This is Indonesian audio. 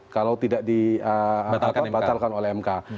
kalau tidak dibatalkan oleh mk